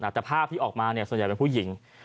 แต่ภาพที่ออกมาส่วนใหญ่เป็นผู้หญิง